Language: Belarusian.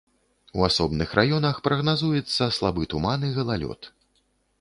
У асобных раёнах прагназуецца слабы туман і галалёд.